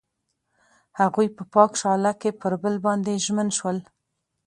هغوی په پاک شعله کې پر بل باندې ژمن شول.